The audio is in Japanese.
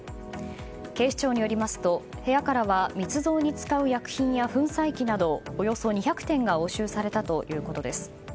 警視庁によりますと部屋からは密造に使う薬品や粉砕機などおよそ２００点が押収されたということです。